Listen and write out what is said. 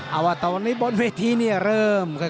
เอาว่าตอนนี้บนเวทีเนี่ยเริ่มกัน